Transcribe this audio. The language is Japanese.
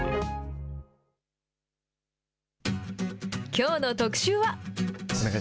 きょうの特集は。